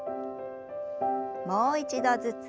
もう一度ずつ。